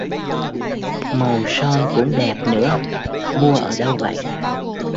Màu son cũng đẹp nữa mua ở đâu vậy